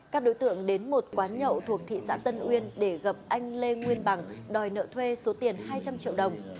các đối tượng đến một quán nhậu thuộc thị xã tân uyên để gặp anh lê nguyên bằng đòi nợ thuê số tiền hai trăm linh triệu đồng